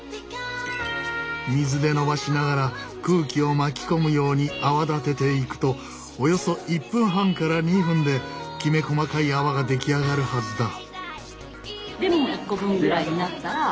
水でのばしながら空気を巻き込むように泡立てていくとおよそ１分半から２分できめ細かい泡が出来上がるはずだ。